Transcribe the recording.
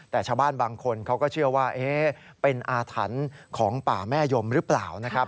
แต่ชาวบ้านบางคนเขาก็เชื่อว่าเป็นอาถรรพ์ของป่าแม่ยมหรือเปล่านะครับ